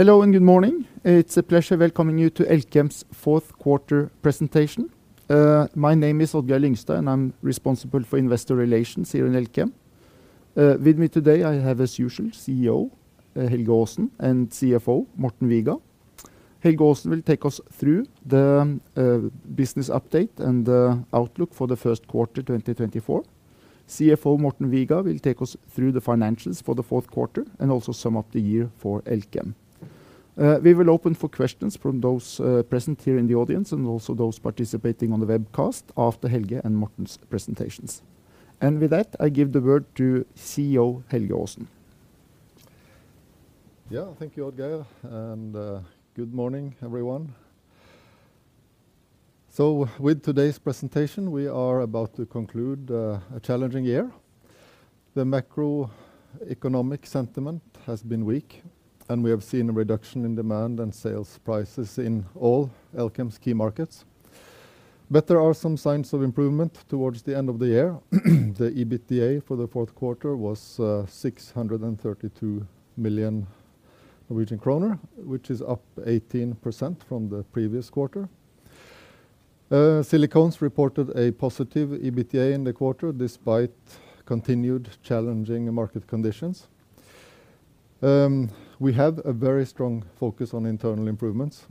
Hello, and good morning. It's a pleasure welcoming you to Elkem's fourth quarter presentation. My name is Odd-Geir Lyngstad, and I'm responsible for investor relations here in Elkem. With me today, I have, as usual, CEO, Helge Aasen, and CFO, Morten Viga. Helge Aasen will take us through the business update and the outlook for the first quarter 2024. CFO, Morten Viga, will take us through the financials for the fourth quarter and also sum up the year for Elkem. We will open for questions from those present here in the audience and also those participating on the webcast after Helge and Morten's presentations. And with that, I give the word to CEO, Helge Aasen. Yeah, thank you, Odd-Geir, and good morning, everyone. So with today's presentation, we are about to conclude a challenging year. The macroeconomic sentiment has been weak, and we have seen a reduction in demand and sales prices in all Elkem's key markets. But there are some signs of improvement towards the end of the year. The EBITDA for the fourth quarter was 632 million Norwegian kroner, which is up 18% from the previous quarter. Silicones reported a positive EBITDA in the quarter, despite continued challenging market conditions. We have a very strong focus on internal improvements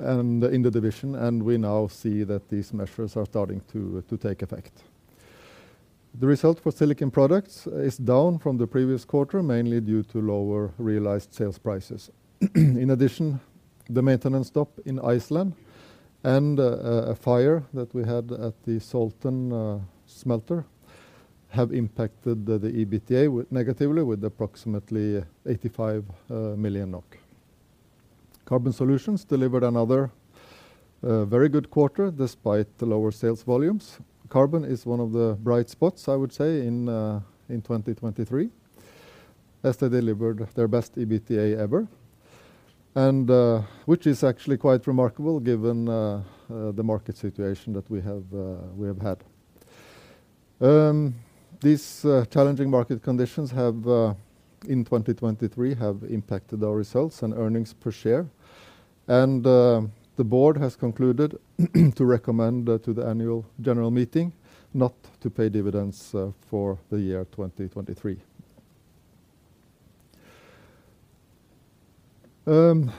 in the division, and we now see that these measures are starting to take effect. The result for Silicon Products is down from the previous quarter, mainly due to lower realized sales prices. In addition, the maintenance stop in Iceland and a fire that we had at the Salten smelter have impacted the EBITDA negatively with approximately 85 million NOK. Carbon Solutions delivered another very good quarter, despite the lower sales volumes. Carbon is one of the bright spots, I would say, in 2023, as they delivered their best EBITDA ever, and which is actually quite remarkable, given the market situation that we have had. These challenging market conditions in 2023 have impacted our results and earnings per share, and the board has concluded to recommend to the annual general meeting not to pay dividends for the year 2023.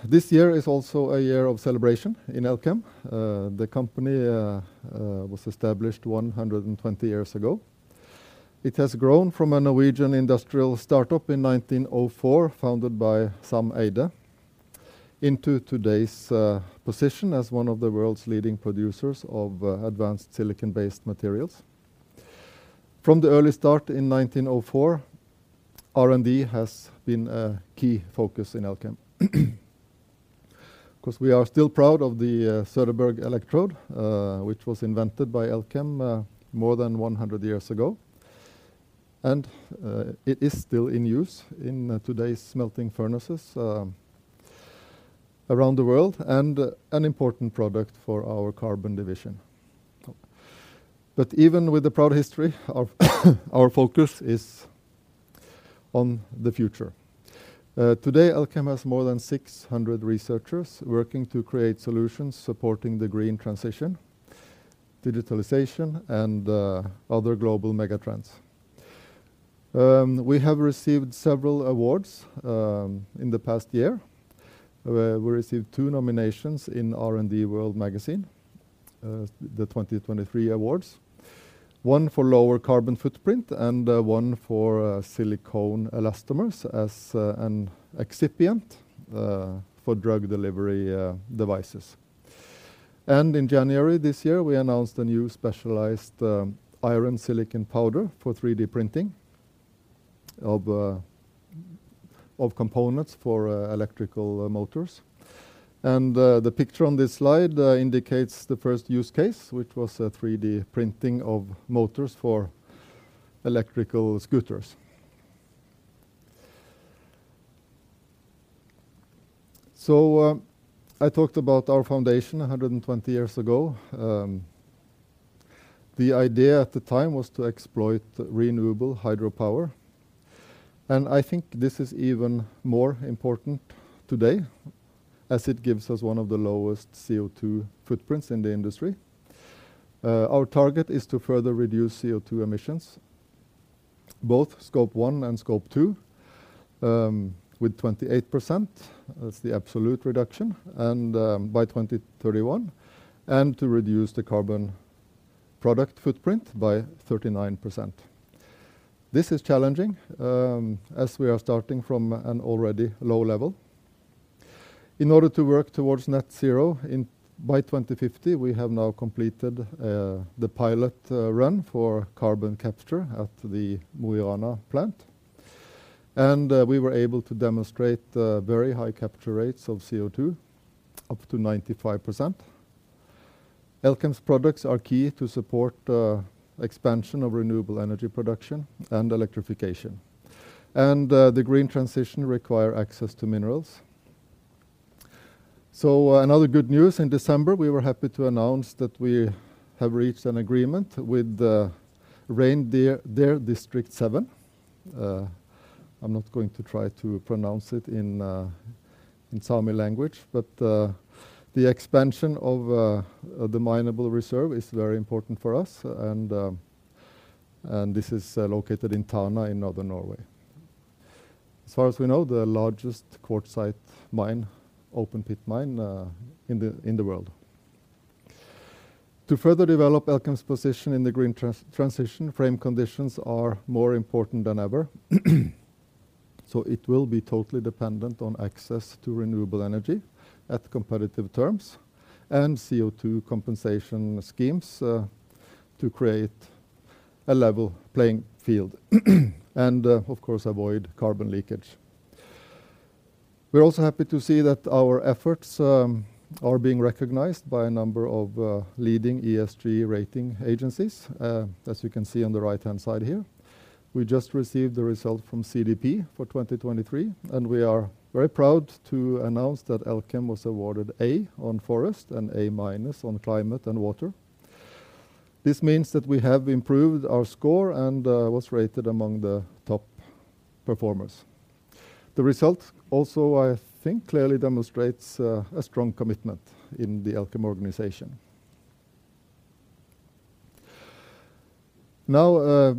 This year is also a year of celebration in Elkem. The company was established 120 years ago. It has grown from a Norwegian industrial startup in 1904, founded by Sam Eyde, into today's position as one of the world's leading producers of advanced silicon-based materials. From the early start in 1904, R&D has been a key focus in Elkem. Of course, we are still proud of the Söderberg electrode, which was invented by Elkem, more than 100 years ago, and it is still in use in today's smelting furnaces around the world, and an important product for our carbon division. But even with the proud history, our focus is on the future. Today, Elkem has more than 600 researchers working to create solutions, supporting the green transition, digitalization, and other global mega trends. We have received several awards in the past year. We received two nominations in R&D World Magazine, the 2023 awards. One for lower carbon footprint and one for silicone elastomers as an excipient for drug delivery devices. And in January this year, we announced a new specialized iron silicon powder for 3D printing of components for electrical motors. And the picture on this slide indicates the first use case, which was a 3D printing of motors for electrical scooters. So I talked about our foundation 120 years ago. The idea at the time was to exploit renewable hydropower, and I think this is even more important today, as it gives us one of the lowest CO2 footprints in the industry. Our target is to further reduce CO2 emissions, both Scope 1 and Scope 2, with 28%. That's the absolute reduction, and, by 2031, and to reduce the carbon product footprint by 39%. This is challenging, as we are starting from an already low level. In order to work towards net zero in, by 2050, we have now completed, the pilot, run for carbon capture at the Mo i Rana plant, and, we were able to demonstrate, very high capture rates of CO2, up to 95%. Elkem's products are key to support, expansion of renewable energy production and electrification. And, the green transition require access to minerals. So, another good news, in December, we were happy to announce that we have reached an agreement with Reindeer District Seven. I'm not going to try to pronounce it in Sámi language, but the expansion of the minable reserve is very important for us, and this is located in Tana, in Northern Norway. As far as we know, the largest quartzite mine, open pit mine, in the world. To further develop Elkem's position in the green transition, frame conditions are more important than ever. So it will be totally dependent on access to renewable energy at competitive terms and CO2 compensation schemes to create a level playing field, and, of course, avoid carbon leakage. We're also happy to see that our efforts are being recognized by a number of leading ESG rating agencies, as you can see on the right-hand side here. We just received the result from CDP for 2023, and we are very proud to announce that Elkem was awarded A on forest and A- on climate and water. This means that we have improved our score and was rated among the top performers. The result also, I think, clearly demonstrates a strong commitment in the Elkem organization. Now,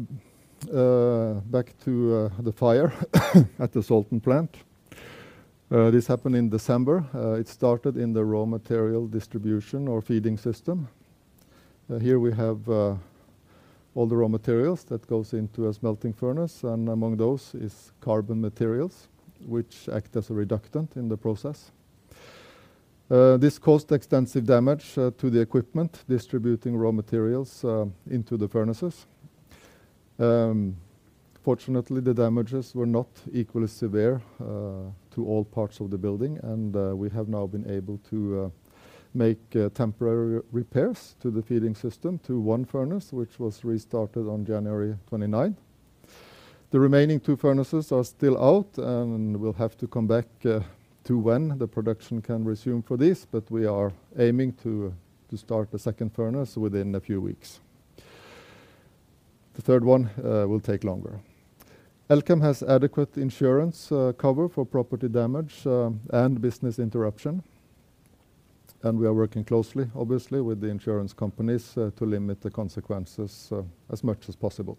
back to the fire at the Salten plant. This happened in December. It started in the raw material distribution or feeding system. Here we have all the raw materials that goes into a smelting furnace, and among those is carbon materials, which act as a reductant in the process. This caused extensive damage to the equipment, distributing raw materials, into the furnaces. Fortunately, the damages were not equally severe to all parts of the building, and we have now been able to make temporary repairs to the feeding system to one furnace, which was restarted on January 29th. The remaining two furnaces are still out, and we'll have to come back to when the production can resume for this, but we are aiming to start the second furnace within a few weeks. The third one will take longer. Elkem has adequate insurance cover for property damage and business interruption, and we are working closely, obviously, with the insurance companies to limit the consequences as much as possible.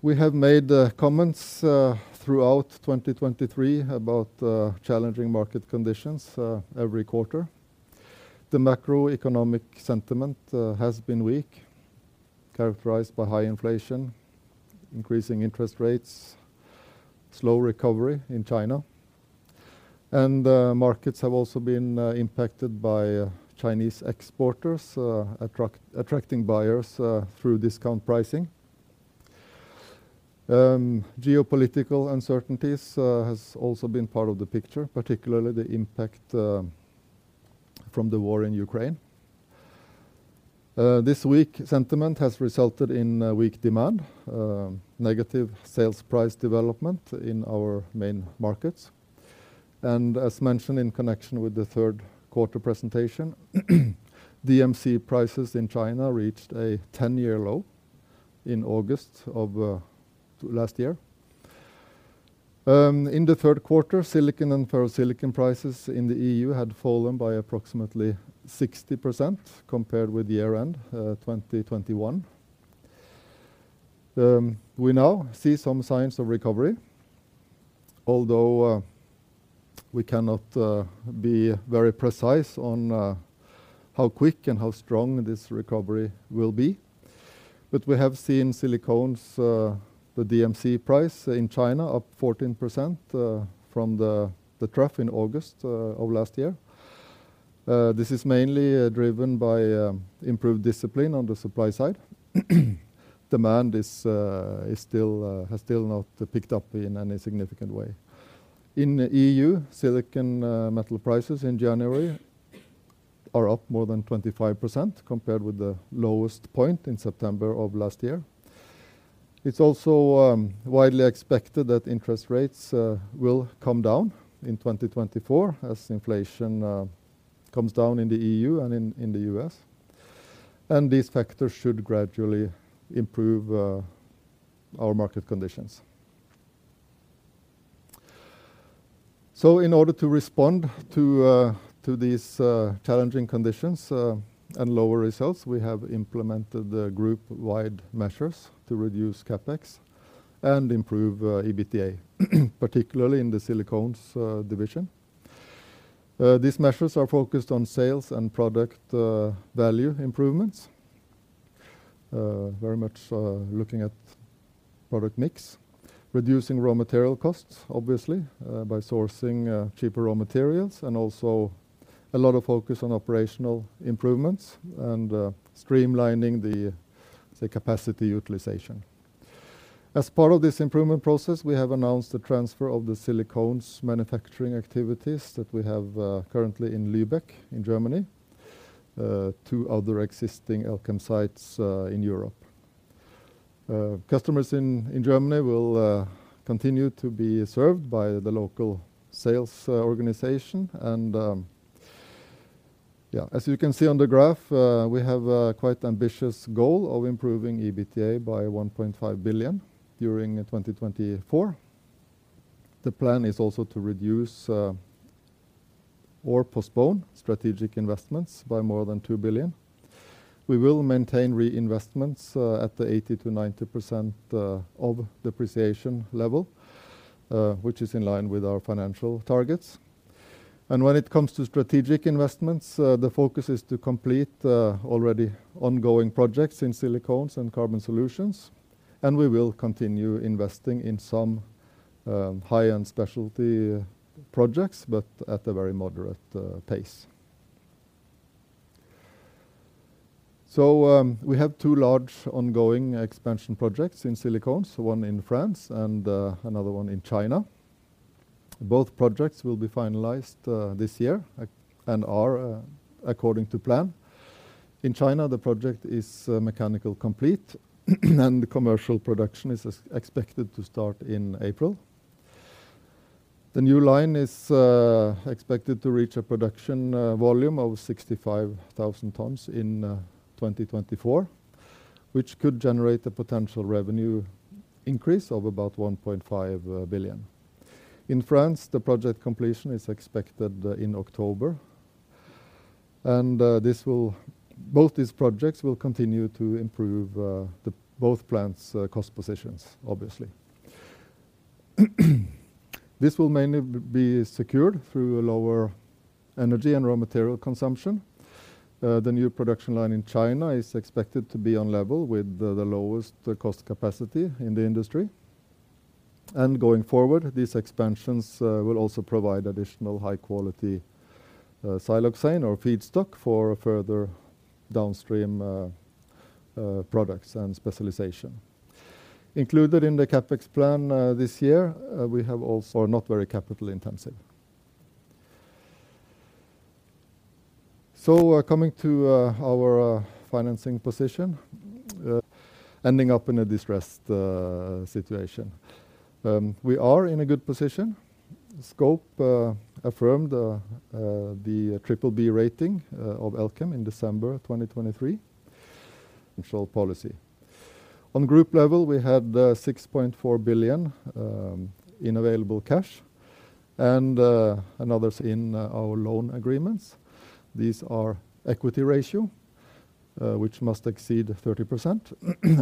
We have made comments throughout 2023 about challenging market conditions every quarter. The macroeconomic sentiment has been weak, characterized by high inflation, increasing interest rates, slow recovery in China. Markets have also been impacted by Chinese exporters attracting buyers through discount pricing. Geopolitical uncertainties has also been part of the picture, particularly the impact from the war in Ukraine. This weak sentiment has resulted in weak demand, negative sales price development in our main markets. And as mentioned in connection with the third quarter presentation, DMC prices in China reached a 10-year low in August of last year. In the third quarter, silicon and ferrosilicon prices in the EU had fallen by approximately 60% compared with year-end 2021. We now see some signs of recovery, although we cannot be very precise on how quick and how strong this recovery will be. But we have seen silicones, the DMC price in China up 14% from the trough in August of last year. This is mainly driven by improved discipline on the supply side. Demand is still has still not picked up in any significant way. In E.U., silicon metal prices in January are up more than 25% compared with the lowest point in September of last year. It's also widely expected that interest rates will come down in 2024 as inflation comes down in the E.U. and in the U.S., and these factors should gradually improve our market conditions. So in order to respond to these challenging conditions and lower results, we have implemented the group-wide measures to reduce CapEx and improve EBITDA, particularly in the Silicones division. These measures are focused on sales and product value improvements, very much looking at product mix, reducing raw material costs, obviously, by sourcing cheaper raw materials, and also a lot of focus on operational improvements and streamlining the capacity utilization. As part of this improvement process, we have announced the transfer of the Silicones manufacturing activities that we have currently in Lübeck, in Germany, to other existing Elkem sites in Europe. Customers in Germany will continue to be served by the local sales organization. Yeah, as you can see on the graph, we have a quite ambitious goal of improving EBITDA by 1.5 billion during 2024. The plan is also to reduce or postpone strategic investments by more than 2 billion. We will maintain reinvestments at the 80%-90% of depreciation level, which is in line with our financial targets. And when it comes to strategic investments, the focus is to complete already ongoing projects in Silicones and Carbon Solutions, and we will continue investing in some high-end specialty projects, but at a very moderate pace. We have two large ongoing expansion projects in Silicones, one in France and another one in China. Both projects will be finalized this year and are according to plan. In China, the project is mechanically complete, and the commercial production is expected to start in April. The new line is expected to reach a production volume of 65,000 tons in 2024, which could generate a potential revenue increase of about 1.5 billion. In France, the project completion is expected in October, and this will both these projects will continue to improve the both plants' cost positions, obviously. This will mainly be secured through a lower energy and raw material consumption. The new production line in China is expected to be on level with the lowest cost capacity in the industry. And going forward, these expansions will also provide additional high-quality siloxane or feedstock for further downstream products and specialization. Included in the CapEx plan this year, we have also not very capital intensive. So, coming to our financing position, ending up in a distressed situation. We are in a good position. Scope affirmed the BBB rating of Elkem in December 2023. Covenant policy. On group level, we had 6.4 billion in available cash and others in our loan agreements. These are equity ratio which must exceed 30%,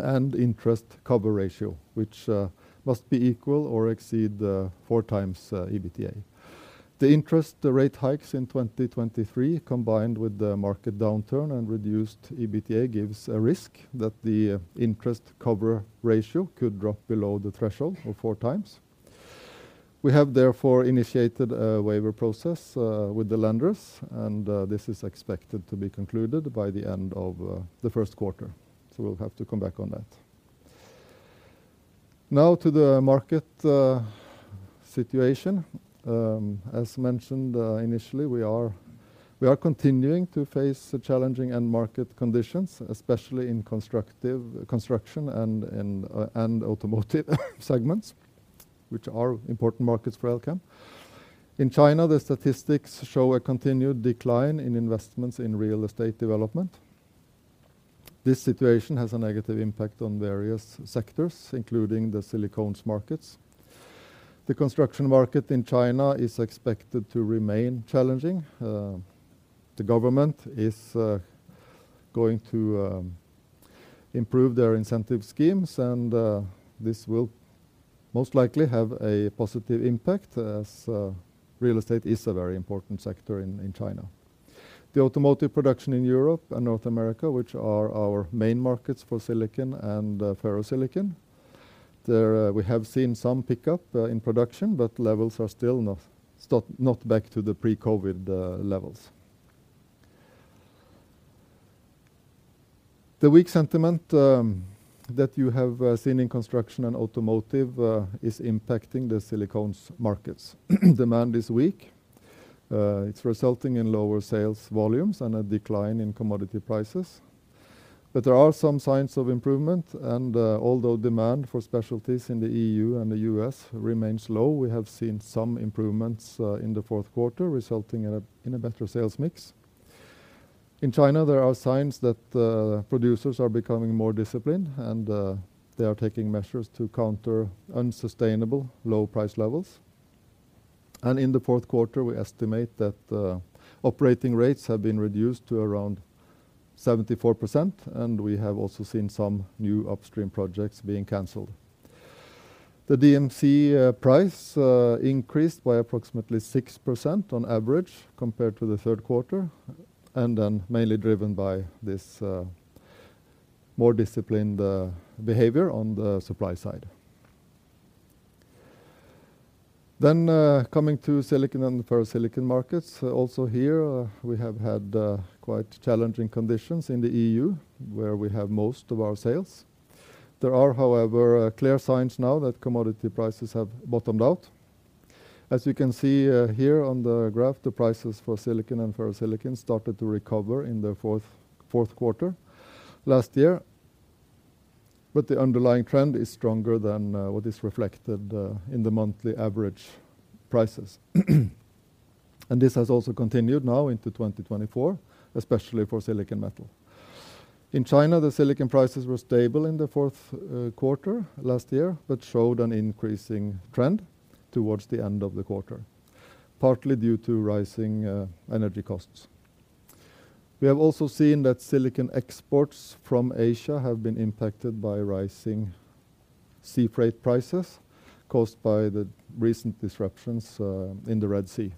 and interest cover ratio, which must be equal or exceed four times EBITDA. The interest rate hikes in 2023, combined with the market downturn and reduced EBITDA, gives a risk that the interest cover ratio could drop below the threshold of four times. We have therefore initiated a waiver process with the lenders, and this is expected to be concluded by the end of the first quarter, so we'll have to come back on that. Now to the market situation. As mentioned initially, we are continuing to face challenging end market conditions, especially in construction and automotive segments, which are important markets for Elkem. In China, the statistics show a continued decline in investments in real estate development. This situation has a negative impact on various sectors, including the Silicones markets. The construction market in China is expected to remain challenging. The government is going to improve their incentive schemes, and this will most likely have a positive impact, as real estate is a very important sector in China. The automotive production in Europe and North America, which are our main markets for silicon and ferrosilicon, there we have seen some pickup in production, but levels are still not, still not back to the pre-COVID levels. The weak sentiment that you have seen in construction and automotive is impacting the Silicones markets. Demand is weak. It's resulting in lower sales volumes and a decline in commodity prices. But there are some signs of improvement, and although demand for specialties in the EU and the US remains low, we have seen some improvements in the fourth quarter, resulting in a better sales mix. In China, there are signs that producers are becoming more disciplined, and they are taking measures to counter unsustainable low price levels. In the fourth quarter, we estimate that the operating rates have been reduced to around 74%, and we have also seen some new upstream projects being canceled. The DMC price increased by approximately 6% on average compared to the third quarter, and then mainly driven by this more disciplined behavior on the supply side. Then, coming to silicon and ferrosilicon markets, also here, we have had quite challenging conditions in the EU, where we have most of our sales. There are, however, clear signs now that commodity prices have bottomed out. As you can see here on the graph, the prices for silicon and ferrosilicon started to recover in the fourth quarter last year. But the underlying trend is stronger than what is reflected in the monthly average prices. This has also continued now into 2024, especially for silicon metal. In China, the silicon prices were stable in the fourth quarter last year, but showed an increasing trend towards the end of the quarter, partly due to rising energy costs. We have also seen that silicon exports from Asia have been impacted by rising sea freight prices, caused by the recent disruptions in the Red Sea.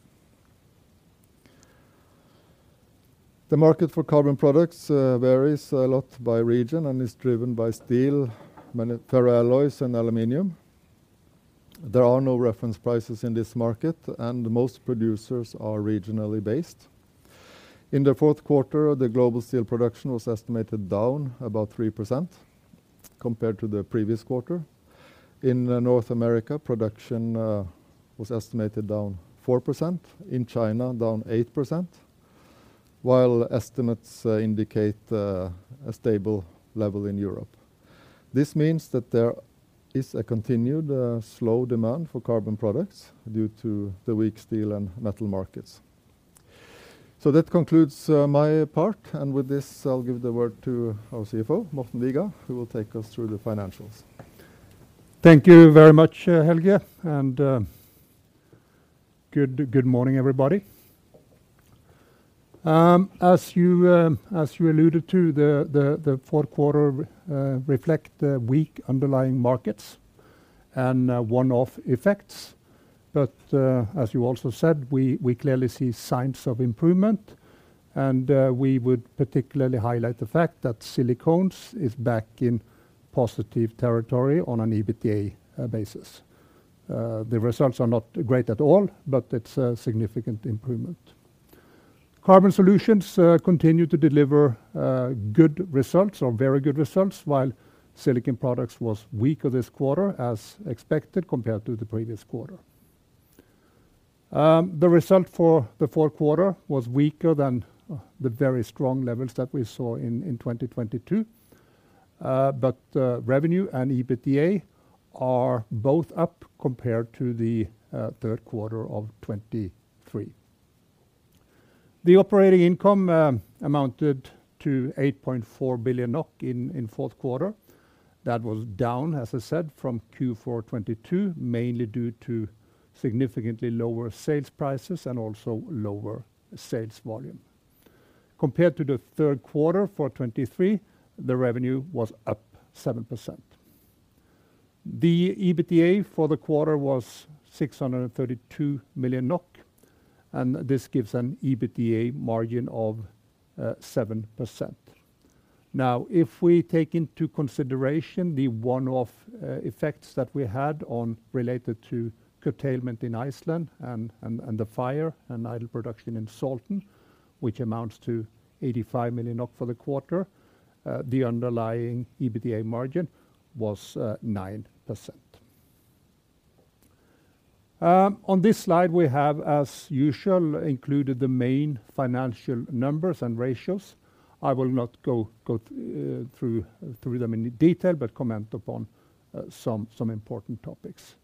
The market for carbon products varies a lot by region and is driven by steel, ferroalloys, and aluminum. There are no reference prices in this market, and most producers are regionally based. In the fourth quarter, the global steel production was estimated down about 3% compared to the previous quarter. In North America, production was estimated down 4%, in China, down 8%, while estimates indicate a stable level in Europe. This means that there is a continued slow demand for carbon products due to the weak steel and metal markets. So that concludes my part, and with this, I'll give the word to our CFO, Morten Viga, who will take us through the financials. Thank you very much, Helge, and good morning, everybody. As you alluded to, the fourth quarter reflect the weak underlying markets and one-off effects. But as you also said, we clearly see signs of improvement, and we would particularly highlight the fact that Silicones is back in positive territory on an EBITDA basis. The results are not great at all, but it's a significant improvement. Carbon Solutions continue to deliver good results or very good results, while Silicon Products was weaker this quarter, as expected, compared to the previous quarter. The result for the fourth quarter was weaker than the very strong levels that we saw in 2022, but revenue and EBITDA are both up compared to the third quarter of 2023. The operating income amounted to 8.4 billion NOK in fourth quarter. That was down, as I said, from Q4 2022, mainly due to significantly lower sales prices and also lower sales volume. Compared to the third quarter for 2023, the revenue was up 7%. The EBITDA for the quarter was 632 million NOK, and this gives an EBITDA margin of 7%. Now, if we take into consideration the one-off effects that we had on related to curtailment in Iceland and the fire and idle production in Salten, which amounts to 85 million NOK for the quarter, the underlying EBITDA margin was 9%. On this slide, we have, as usual, included the main financial numbers and ratios. I will not go through them in detail, but comment upon some important topics.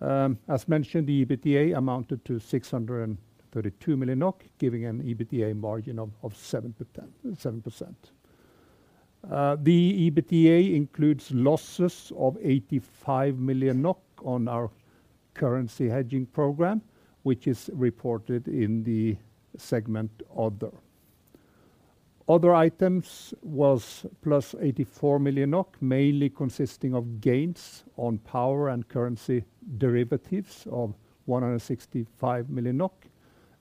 As mentioned, the EBITDA amounted to 632 million NOK, giving an EBITDA margin of 7.10%. The EBITDA includes losses of 85 million NOK on our currency hedging program, which is reported in the segment Other. Other items was plus 84 million NOK, mainly consisting of gains on power and currency derivatives of 165 million NOK,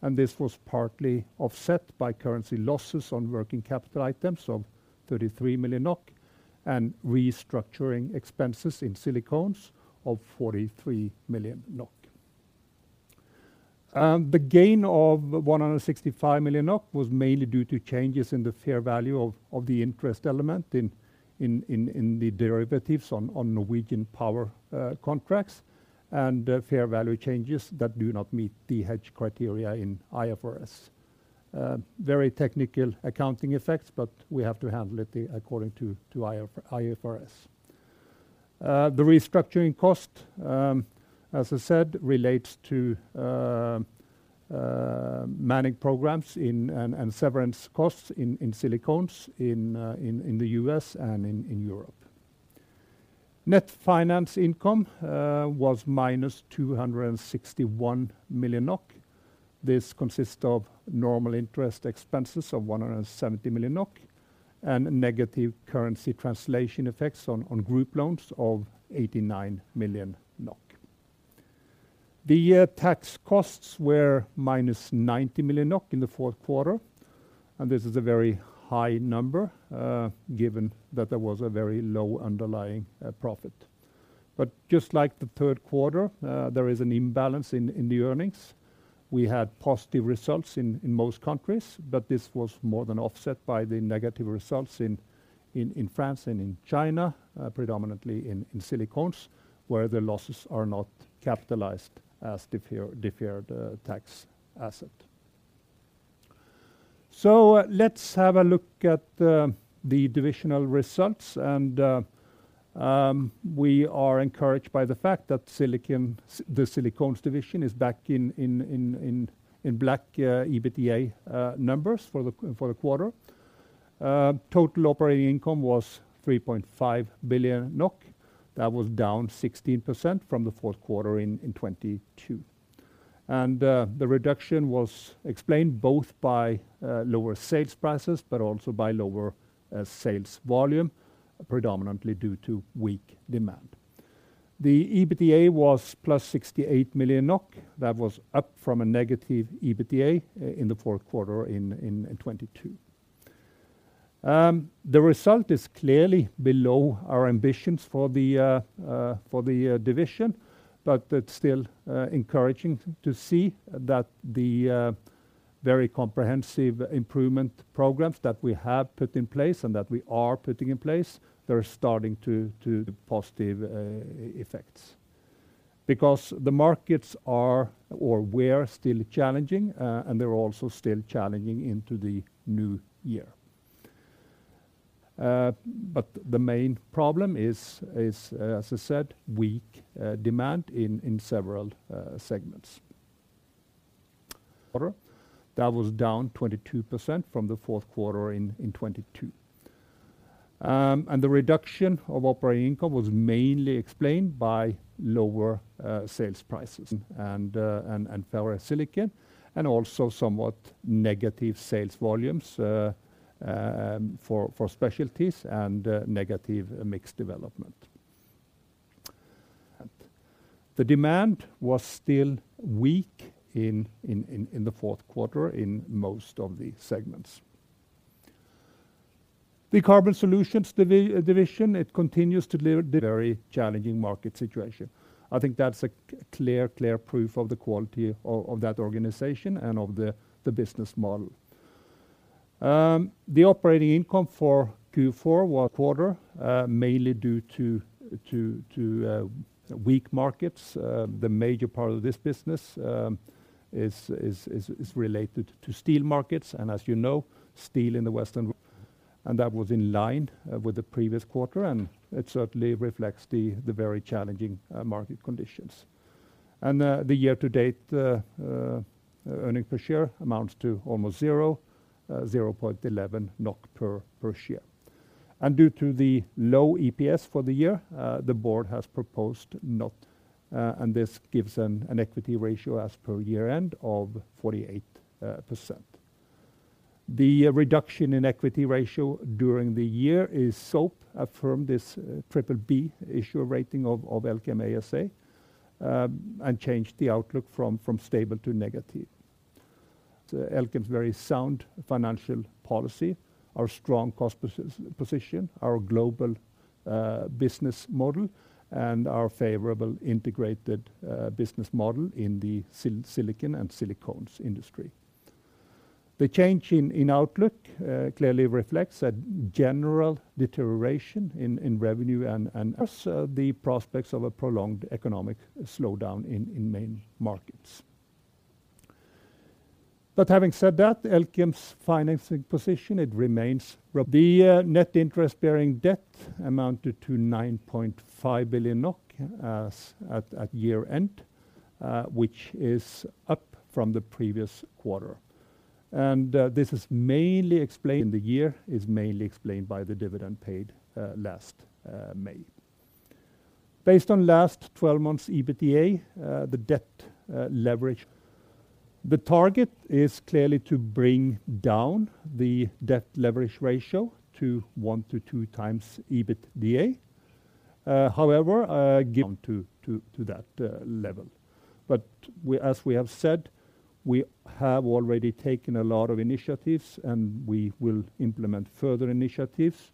and this was partly offset by currency losses on working capital items of 33 million NOK and restructuring expenses in Silicones of 43 million NOK. The gain of 165 million NOK was mainly due to changes in the fair value of the interest element in the derivatives on Norwegian power contracts, and fair value changes that do not meet the hedge criteria in IFRS. Very technical accounting effects, but we have to handle it according to IFRS. The restructuring cost, as I said, relates to managing programs and severance costs in Silicones, in the U.S. and in Europe. Net finance income was -261 million NOK. This consists of normal interest expenses of 170 million NOK and negative currency translation effects on group loans of 89 million NOK. The tax costs were -90 million NOK in the fourth quarter, and this is a very high number, given that there was a very low underlying profit. But just like the third quarter, there is an imbalance in the earnings. We had positive results in most countries, but this was more than offset by the negative results in France and in China, predominantly in Silicones, where the losses are not capitalized as deferred tax asset. So let's have a look at the divisional results, and we are encouraged by the fact that the Silicones division is back in black EBITDA numbers for the quarter. Total operating income was 3.5 billion NOK. That was down 16% from the fourth quarter in 2022. The reduction was explained both by lower sales prices, but also by lower sales volume, predominantly due to weak demand. The EBITDA was plus 68 million NOK. That was up from a negative EBITDA in the fourth quarter in 2022. The result is clearly below our ambitions for the division, but it's still encouraging to see that the very comprehensive improvement programs that we have put in place and that we are putting in place, they're starting to positive effects. Because the markets are, or were still challenging, and they're also still challenging into the new year. But the main problem is, as I said, weak demand in several segments. Quarter, that was down 22% from the fourth quarter in 2022. The reduction of operating income was mainly explained by lower sales prices and Ferrosilicon, and also somewhat negative sales volumes for specialties and negative mix development. The demand was still weak in the fourth quarter in most of the segments. The Carbon Solutions division, it continues to deliver the very challenging market situation. I think that's a clear proof of the quality of that organization and of the business model. The operating income for Q4 quarter mainly due to weak markets. The major part of this business is related to steel markets, and as you know, steel in the Western... That was in line with the previous quarter, and it certainly reflects the very challenging market conditions. The year-to-date earning per share amounts to almost 0.11 NOK per share. Due to the low EPS for the year, the board has proposed not, and this gives an equity ratio as per year-end of 48%. The reduction in equity ratio during the year is Scope affirmed this BBB issuer rating of Elkem ASA, and changed the outlook from stable to negative. Elkem's very sound financial policy, our strong cost position, our global business model, and our favorable integrated business model in the silicon and silicones industry. The change in outlook clearly reflects a general deterioration in revenue and the prospects of a prolonged economic slowdown in main markets. But having said that, Elkem's financing position, it remains. The net interest-bearing debt amounted to 9.5 billion NOK at year-end, which is up from the previous quarter. This is mainly explained by the dividend paid last May. Based on last 12 months EBITDA, the debt leverage. The target is clearly to bring down the debt leverage ratio to one to two times EBITDA. However, get to that level. But as we have said, we have already taken a lot of initiatives, and we will implement further initiatives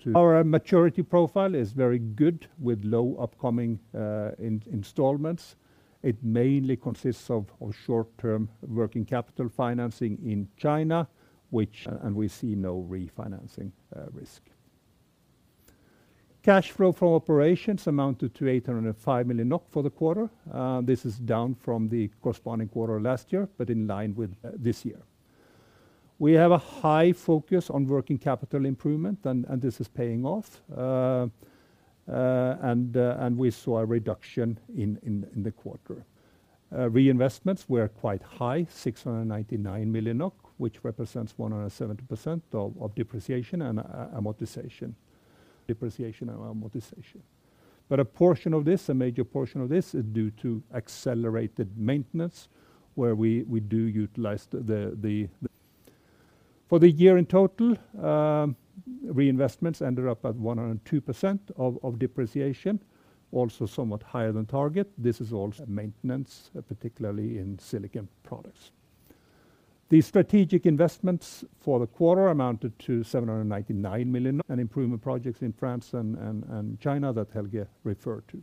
to. Our maturity profile is very good, with low upcoming installments. It mainly consists of short-term working capital financing in China, and we see no refinancing risk. Cash flow from operations amounted to 805 million NOK for the quarter. This is down from the corresponding quarter last year, but in line with this year. We have a high focus on working capital improvement, and this is paying off, and we saw a reduction in the quarter. Reinvestments were quite high, 699 million NOK, which represents 170% of depreciation and amortization. Depreciation and amortization. But a portion of this, a major portion of this, is due to accelerated maintenance, where we do utilize the. For the year in total, reinvestments ended up at 102% of depreciation, also somewhat higher than target. This is also maintenance, particularly in Silicon Products. The strategic investments for the quarter amounted to 799 million, and improvement projects in France and China that Helge referred to.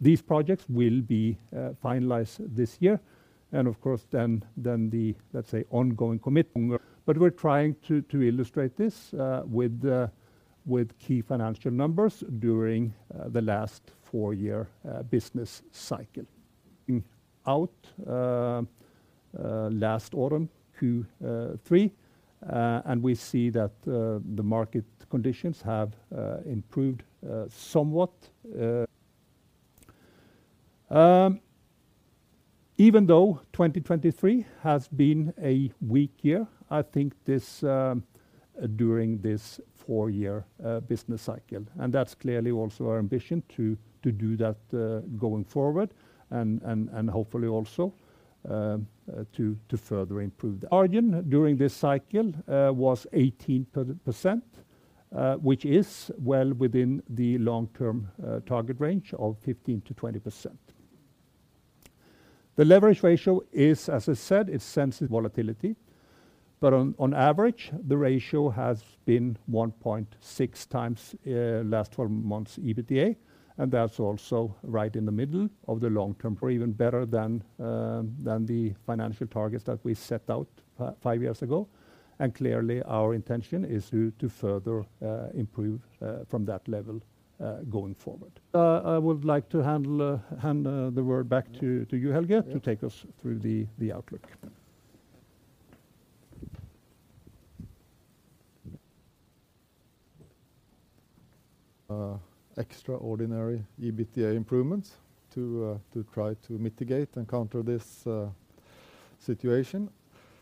These projects will be finalized this year, and of course, then the, let's say, ongoing commitment. But we're trying to illustrate this with key financial numbers during the last four-year business cycle. Last autumn, Q3, and we see that the market conditions have improved somewhat. Even though 2023 has been a weak year, I think this during this four-year business cycle, and that's clearly also our ambition to do that going forward and hopefully also to further improve. margin during this cycle, was 18%, which is well within the long-term target range of 15%-20%. The leverage ratio is, as I said, it's sensitive to volatility, but on average, the ratio has been 1.6 times last twelve months EBITDA, and that's also right in the middle of the long term or even better than the financial targets that we set out five years ago. And clearly, our intention is to further improve from that level going forward. I would like to hand the word back to you, Helge, to take us through the outlook. Extraordinary EBITDA improvements to try to mitigate and counter this situation.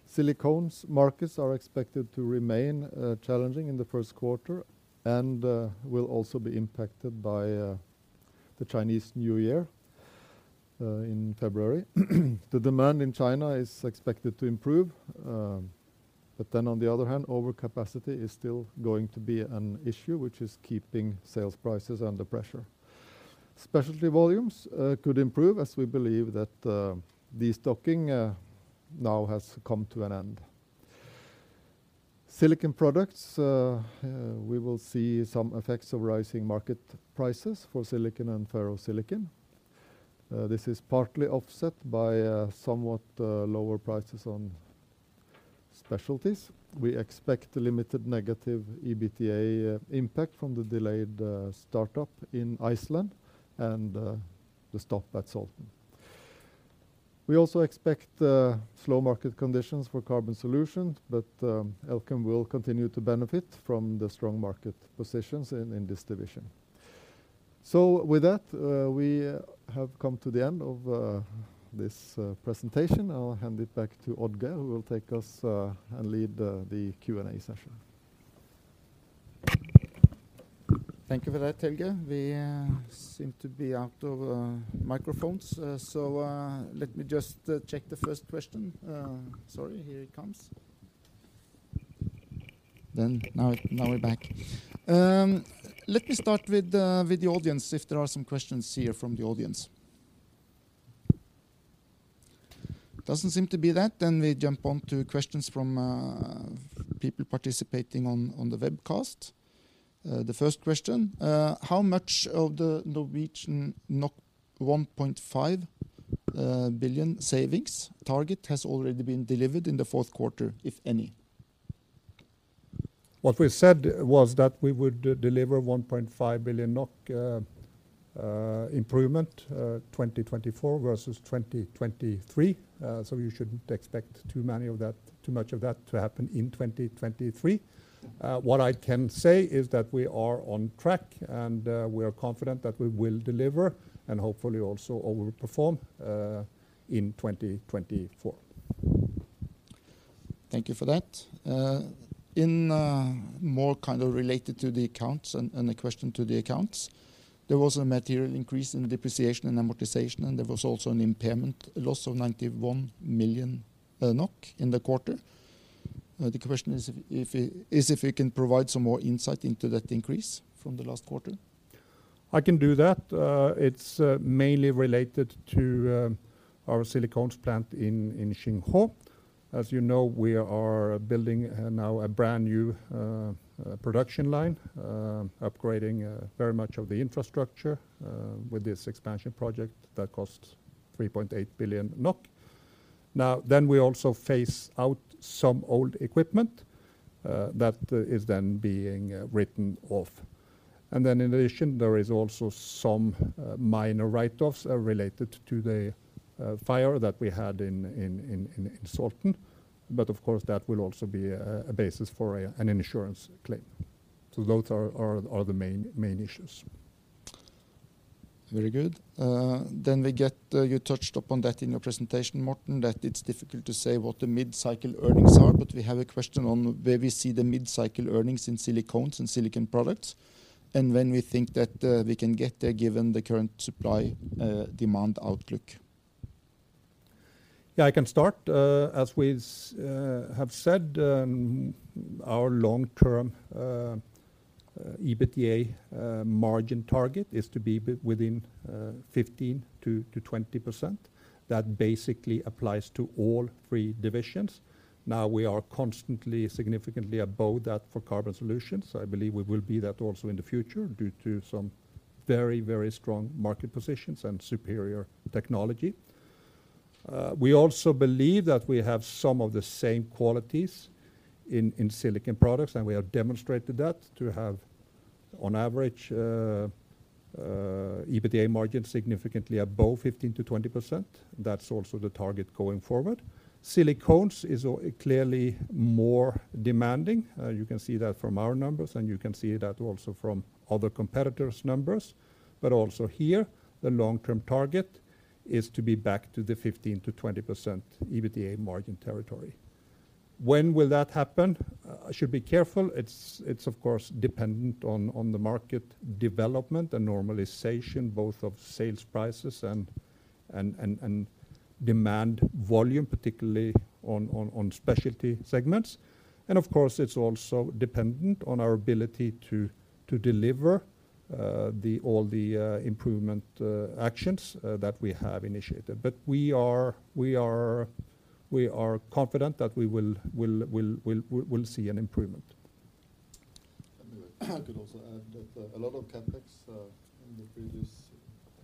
Silicones markets are expected to remain challenging in the first quarter and will also be impacted by the Chinese New Year in February. The demand in China is expected to improve, but then on the other hand, overcapacity is still going to be an issue, which is keeping sales prices under pressure. Specialty volumes could improve as we believe that the restocking now has come to an end. Silicon Products, we will see some effects of rising market prices for silicon and ferrosilicon. This is partly offset by somewhat lower prices on specialties. We expect a limited negative EBITDA impact from the delayed start-up in Iceland and the stop at Salten. We also expect slow market conditions for Carbon Solutions, but Elkem will continue to benefit from the strong market positions in, in this division. So with that, we have come to the end of this presentation. I'll hand it back to Odd-Geir, who will take us and lead the Q&A session. Thank you for that, Helge. We seem to be out of microphones, so let me just check the first question. Sorry, here it comes. Then now, now we're back. Let me start with the audience, if there are some questions here from the audience. Doesn't seem to be that. Then we jump on to questions from people participating on the webcast. The first question: How much of the 1.5 billion savings target has already been delivered in the fourth quarter, if any? What we said was that we would deliver 1.5 billion NOK improvement, 2024 versus 2023. So you shouldn't expect too much of that to happen in 2023. What I can say is that we are on track, and we are confident that we will deliver and hopefully also overperform in 2024. Thank you for that. In more kind of related to the accounts and a question to the accounts, there was a material increase in depreciation and amortization, and there was also an impairment loss of 91 million NOK in the quarter. The question is if you can provide some more insight into that increase from the last quarter? I can do that. It's mainly related to our silicones plant in Xinghuo. As you know, we are building now a brand-new production line, upgrading very much of the infrastructure, with this expansion project that costs 3.8 billion NOK. Now, then, we also phase out some old equipment that is then being written off. And then in addition, there is also some minor write-offs related to the fire that we had in Salten, but of course, that will also be a basis for an insurance claim. So those are the main issues. Very good. You touched upon that in your presentation, Morten, that it's difficult to say what the mid-cycle earnings are, but we have a question on where we see the mid-cycle earnings in Silicones and Silicon Products, and when we think that we can get there, given the current supply, demand outlook. Yeah, I can start. As we have said, our long-term EBITDA margin target is to be within 15%-20%. That basically applies to all three divisions. Now, we are constantly significantly above that for Carbon Solutions. I believe we will be that also in the future due to some very, very strong market positions and superior technology. We also believe that we have some of the same qualities in Silicon Products, and we have demonstrated that to have, on average, EBITDA margin significantly above 15%-20%. That's also the target going forward. Silicones is clearly more demanding. You can see that from our numbers, and you can see that also from other competitors' numbers. But also here, the long-term target is to be back to the 15%-20% EBITDA margin territory. When will that happen? I should be careful. It's, of course, dependent on the market development and normalization, both of sales prices and demand volume, particularly on specialty segments. And of course, it's also dependent on our ability to deliver all the improvement actions that we have initiated. But we are confident that we will see an improvement. I could also add that, a lot of CapEx in the previous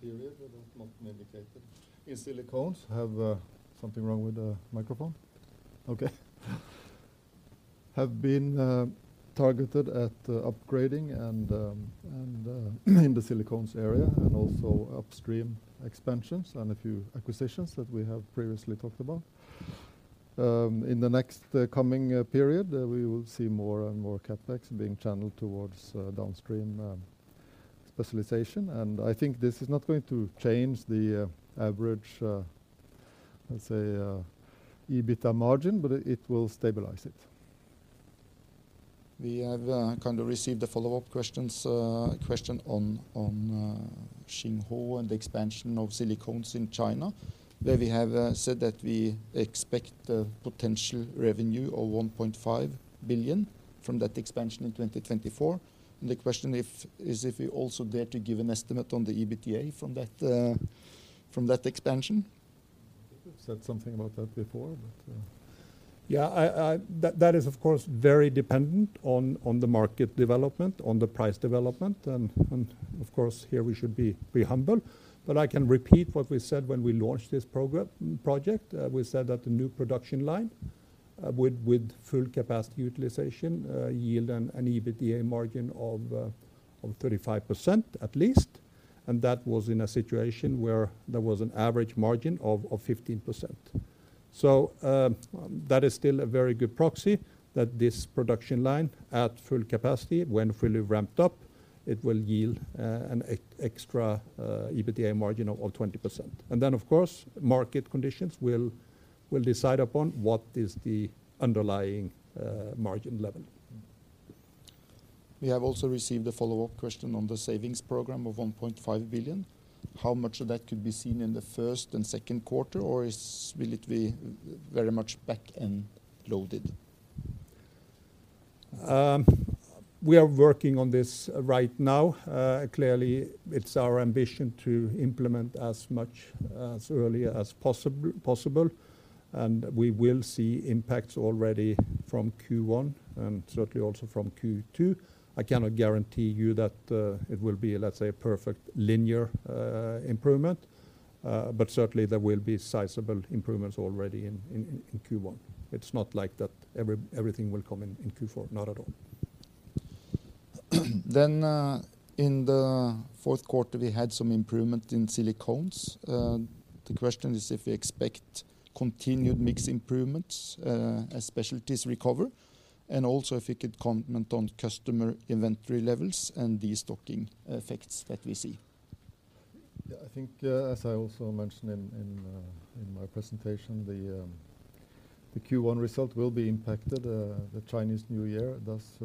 period that have not been indicated in Silicones have... Something wrong with the microphone? Okay. Have been targeted at upgrading and in the Silicones area, and also upstream expansions and a few acquisitions that we have previously talked about. In the next coming period, we will see more and more CapEx being channeled towards downstream specialization. And I think this is not going to change the average, let's say, EBITDA margin, but it will stabilize it. We have kind of received the follow-up questions, question on Xinghuo and the expansion of Silicones in China, where we have said that we expect the potential revenue of 1.5 billion from that expansion in 2024. The question is if we also dare to give an estimate on the EBITDA from that expansion? I think I've said something about that before, but, yeah, That is, of course, very dependent on the market development, on the price development, and, of course, here we should be humble. But I can repeat what we said when we launched this project. We said that the new production line, with full capacity utilization, yield an EBITDA margin of 35% at least, and that was in a situation where there was an average margin of 15%. So, that is still a very good proxy, that this production line, at full capacity, when fully ramped up, it will yield an extra EBITDA margin of 20%. And then, of course, market conditions will decide upon what is the underlying margin level. We have also received a follow-up question on the savings program of 1.5 billion. How much of that could be seen in the first and second quarter, or will it be very much back-end loaded? We are working on this right now. Clearly, it's our ambition to implement as much, as early as possible, and we will see impacts already from Q1 and certainly also from Q2. I cannot guarantee you that it will be, let's say, a perfect linear improvement, but certainly there will be sizable improvements already in Q1. It's not like that everything will come in Q4. Not at all. Then, in the fourth quarter, we had some improvement in Silicones. The question is if we expect continued mixed improvements, as specialties recover, and also if we could comment on customer inventory levels and the stocking effects that we see. Yeah, I think, as I also mentioned in my presentation, the Q1 result will be impacted. The Chinese New Year does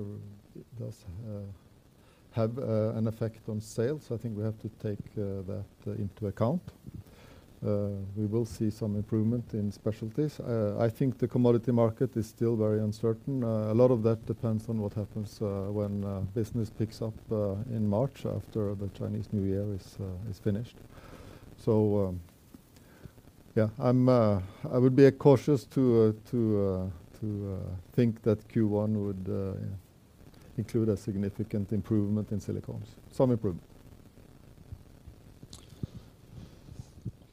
have an effect on sales. I think we have to take that into account. We will see some improvement in specialties. I think the commodity market is still very uncertain. A lot of that depends on what happens when business picks up in March, after the Chinese New Year is finished. So, yeah, I'm, uh, I would be cautious to think that Q1 would include a significant improvement in Silicones. Some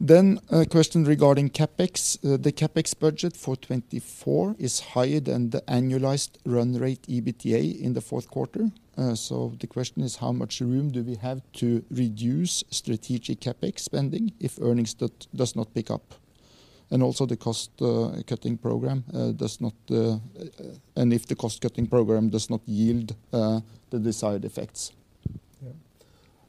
improvement. A question regarding CapEx. The CapEx budget for 2024 is higher than the annualized run rate EBITDA in the fourth quarter. So the question is: How much room do we have to reduce strategic CapEx spending if earnings does not pick up? And also, if the cost-cutting program does not yield the desired effects.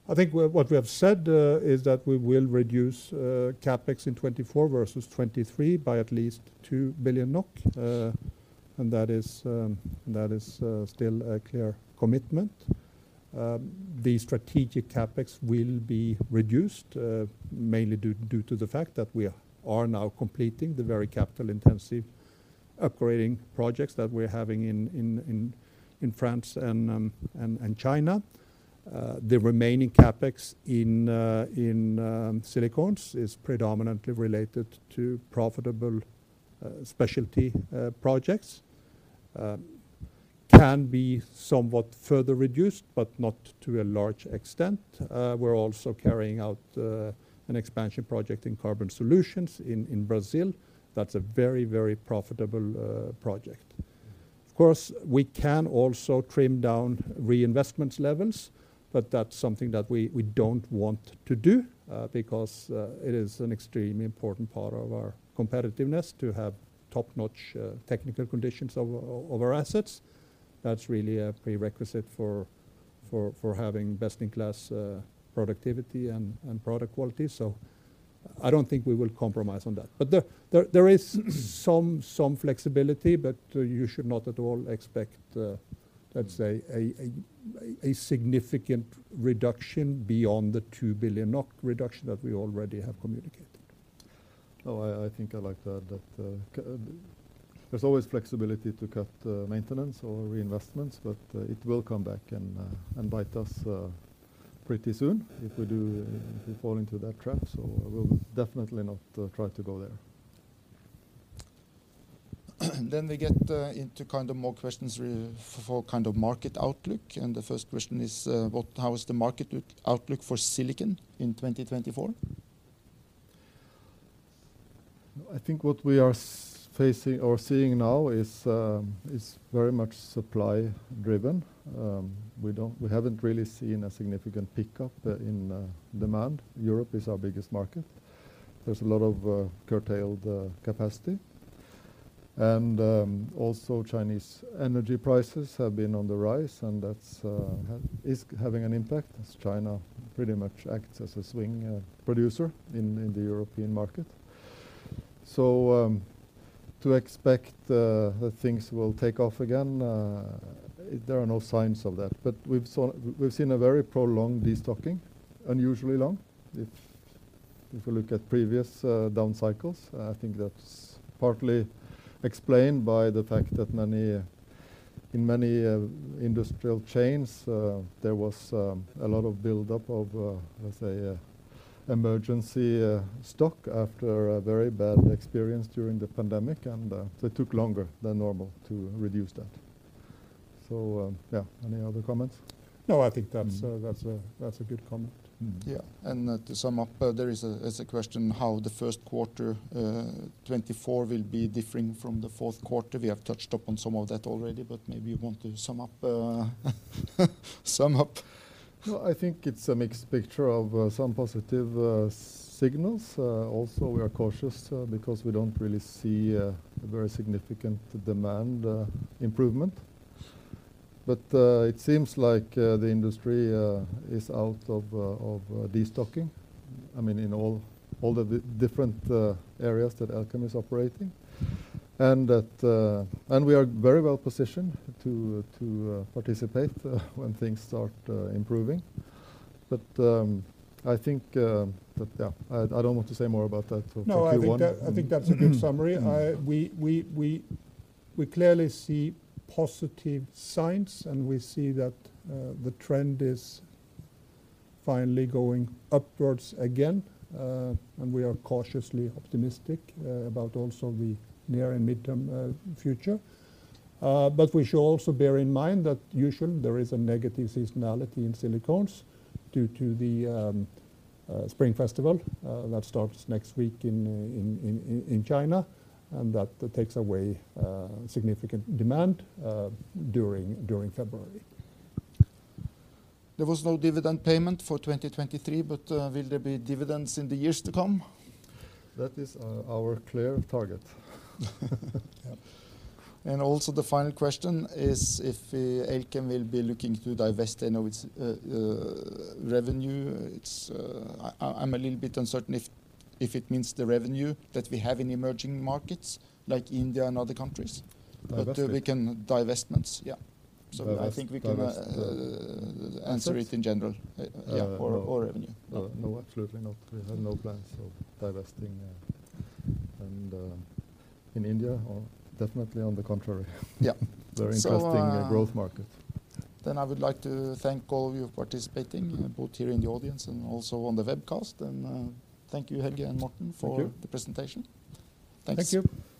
Yeah. I think what we have said is that we will reduce CapEx in 2024 versus 2023 by at least 2 billion NOK, and that is still a clear commitment. The strategic CapEx will be reduced mainly due to the fact that we are now completing the very capital-intensive upgrading projects that we're having in France and China. The remaining CapEx in Silicones is predominantly related to profitable specialty projects. It can be somewhat further reduced, but not to a large extent. We're also carrying out an expansion project in Carbon Solutions in Brazil. That's a very, very profitable project. Of course, we can also trim down reinvestment levels, but that's something that we don't want to do, because it is an extremely important part of our competitiveness to have top-notch technical conditions of our assets. That's really a prerequisite for having best-in-class productivity and product quality. So I don't think we will compromise on that. But there is some flexibility, but you should not at all expect, let's say, a significant reduction beyond the 2 billion NOK reduction that we already have communicated. No, I think I like that. There's always flexibility to cut maintenance or reinvestments, but it will come back and bite us pretty soon if we do, if we fall into that trap. So we'll definitely not try to go there. Then we get into kind of more questions for kind of market outlook, and the first question is, how is the market outlook for silicon in 2024? I think what we are facing or seeing now is very much supply-driven. We haven't really seen a significant pickup in demand. Europe is our biggest market. There's a lot of curtailed capacity. And also Chinese energy prices have been on the rise, and that's is having an impact, as China pretty much acts as a swing producer in the European market. So to expect that things will take off again, there are no signs of that. But we've seen a very prolonged destocking, unusually long, if we look at previous down cycles. I think that's partly explained by the fact that many, in many industrial chains, there was a lot of build-up of, let's say, an emergency stock after a very bad experience during the pandemic, and it took longer than normal to reduce that. So, yeah, any other comments? No, I think that's a good comment. Mm-hmm. Yeah, and to sum up, there's a question, how the first quarter 2024 will be differing from the fourth quarter? We have touched upon some of that already, but maybe you want to sum up, sum up. No, I think it's a mixed picture of some positive signals. Also, we are cautious because we don't really see a very significant demand improvement. But it seems like the industry is out of destocking, I mean, in all the different areas that Elkem is operating. And we are very well positioned to participate when things start improving. But I think that, yeah, I don't want to say more about that, so Q1. No, I think that, I think that's a good summary. We clearly see positive signs, and we see that the trend is finally going upwards again. And we are cautiously optimistic about also the near and midterm future. But we should also bear in mind that usually there is a negative seasonality in silicones due to the Spring Festival that starts next week in China, and that takes away significant demand during February. There was no dividend payment for 2023, but, will there be dividends in the years to come? That is our clear target. Yeah. And also the final question is, if Elkem will be looking to divest any of its revenue? It's... I'm a little bit uncertain if it means the revenue that we have in emerging markets, like India and other countries. Divestment? But we can. Divestments, yeah. I think we can, Divest, uh- answer it in general. Yeah. Yeah, or revenue. No, absolutely not. We have no plans of divesting in India, or definitely on the contrary. Yeah. Very interesting So, uh- growth market. I would like to thank all of you participating. Both here in the audience and also on the webcast. Thank you, Helge and Morten. Thank you for the presentation. Thanks. Thank you!